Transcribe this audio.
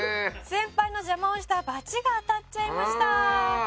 「先輩の邪魔をしたバチが当たっちゃいました」